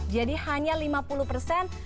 jadi hanya lima puluh persen